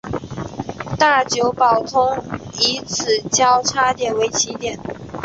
大久保通以此交差点为起点。